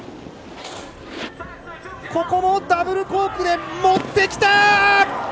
ここもダブルコークで持ってきた！